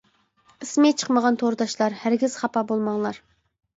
ئىسمى چىقمىغان تورداشلار، ھەرگىز خاپا بولماڭلار.